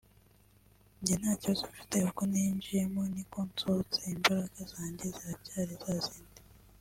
Njye nta kibazo mfite uko ninjiyemo ni ko nsohotse imbaraga zanjye ziracyari za zindi